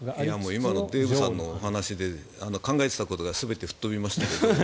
今のデーブさんのお話で考えていたことが全て吹っ飛びました。